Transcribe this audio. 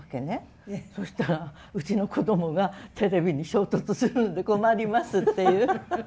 そしたら「うちのこどもがテレビに衝突するんで困ります」っていう。